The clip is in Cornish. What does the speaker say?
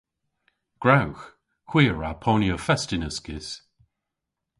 Gwrewgh. Hwi a wra ponya fest yn uskis.